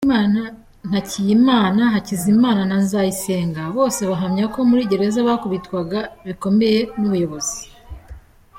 Kubwimana, Ntakiyimana, Hakizimana na Nzayisenga, bose bahamya ko muri gereza bakubitwaga bikomeye n’ubuyobozi.